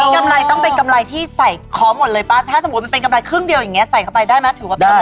กำไรต้องเป็นกำไรที่ใส่ค้อหมดเลยป้าถ้าสมมุติมันเป็นกำไรครึ่งเดียวอย่างเงี้ใส่เข้าไปได้ไหมถือว่าเป็นกำไ